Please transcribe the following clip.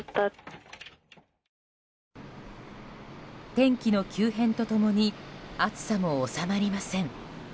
天気の急変と共に暑さも収まりません。